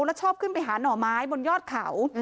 แล้วชอบขึ้นไปหาหน่อไม้บนยอดเขา